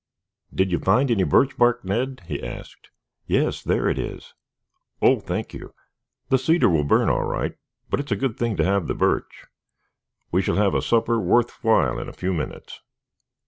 "Did you find any birch bark, Ned?" he asked. "Yes, there it is." "Oh, thank you. The cedar will burn all right, but it is a good thing to have the birch. We shall have a supper worth while in a few minutes.